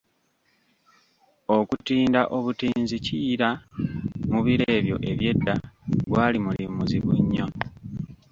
Okutinda obutinzi Kiyira mu biro ebyo eby'edda, gwali mulimu muzibu nnyo.